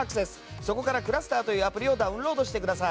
そこからｃｌｕｓｔｅｒというアプリをダウンロードしてください。